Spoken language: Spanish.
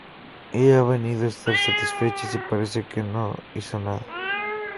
Ella ha venido a estar satisfecha si parece que no hizo nada.